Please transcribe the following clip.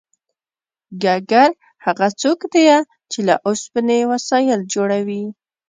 ګګر هغه څوک دی چې له اوسپنې وسایل جوړوي